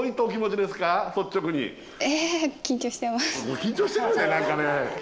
え緊張してくるね何かね。